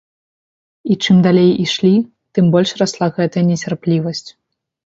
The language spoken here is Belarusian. І чым далей ішлі, тым больш расла гэтая нецярплівасць.